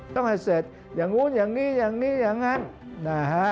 ต้องให้เสร็จอย่างนู้นอย่างนี้อย่างนี้อย่างนั้นนะฮะ